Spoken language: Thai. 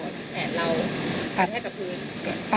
แขนเราฟันให้กับพื้น